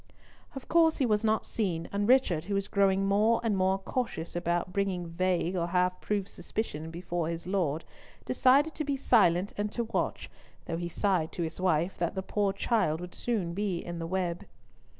Of course he was not seen, and Richard, who was growing more and more cautious about bringing vague or half proved suspicions before his Lord, decided to be silent and to watch, though he sighed to his wife that the poor child would soon be in the web.